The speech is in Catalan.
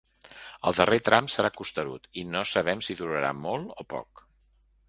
El darrer tram serà costerut i no sabem si durarà molt o poc.